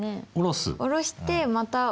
下ろしてまた同じ。